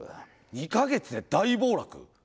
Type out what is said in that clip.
２か月で大暴落？